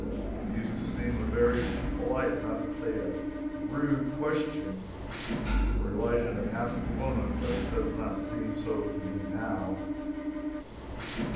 It used to seem a very impolite, not to say a rude, question, for Elisha to ask the woman, but it does not seem so to me now.